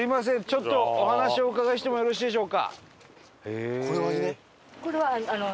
ちょっとお話をお伺いしてもよろしいでしょうか？